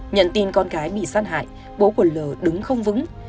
nhận tin con gái bị sát hại bố của l đứng không vững